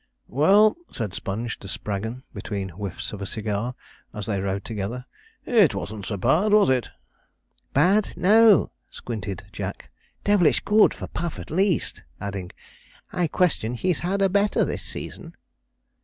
'Well,' said Sponge to Spraggon, between the whiffs of a cigar, as they rode together; 'it wasn't so bad, was it?' 'Bad! no,' squinted Jack, 'devilish good for Puff, at least,' adding, 'I question he's had a better this season.'